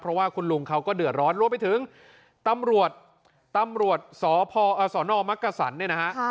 เพราะว่าคุณลุงเขาก็เดือดร้อนรวมไปถึงตำรวจตำรวจสพสนมักกษันเนี่ยนะฮะ